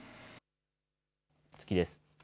次です。